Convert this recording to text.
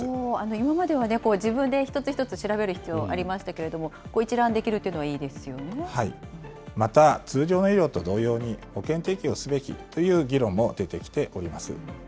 今までは自分で一つ一つ調べる必要ありましたけども、一覧でまた、通常の医療と同様に保険適用すべきという議論も出てきております。